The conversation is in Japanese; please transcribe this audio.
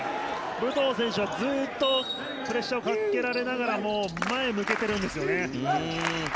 武藤選手はずっとプレッシャーをかけられながらも前に向けてるんですよね。